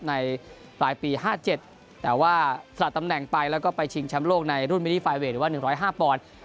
ในปลายปีห้าเจ็ดแต่ว่าสลัดตำแหน่งไปแล้วก็ไปชิงแชมป์โลกในรุ่นมินิไฟเวทหรือว่าหนึ่งร้อยห้าปอนด์